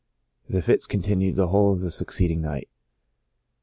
The fits continued the whole of the succeeding night.